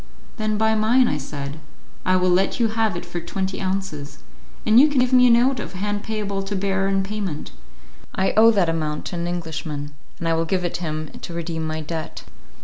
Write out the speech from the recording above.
"Then buy mine," I said; "I will let you have it for twenty ounces, and you can give me a note of hand payable to bearer in payment. I owe that amount to an Englishman, and I will give it him to redeem my debt."